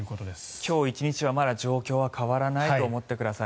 今日１日は、まだ状況は変わらないと思ってください。